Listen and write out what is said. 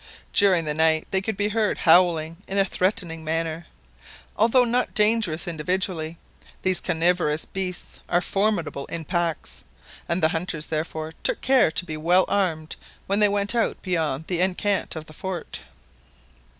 During the night they could be heard howling in a threatening manner. Although not dangerous individually, these carnivorous beasts are formidable in packs, and the hunters therefore took care to be well armed when they went beyond the enceinte of the fort.